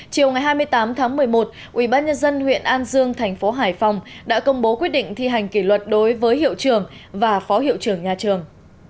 chiều ngày hai mươi tám tháng một mươi một ubnd huyện an dương thành phố hải phòng đã công bố quyết định thi hành kỷ luật đối với hiệu trưởng và phó hiệu trưởng nhà trường